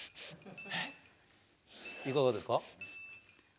いかがですか？